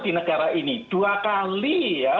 di negara ini dua kali ya